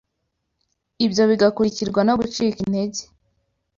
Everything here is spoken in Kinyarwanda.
ibyo bigakurikirwa no gucika intege,